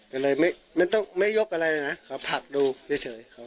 ก็เลยไม่ต้องไม่ยกอะไรเลยนะเขาผลักดูเฉยเขาก็ปิด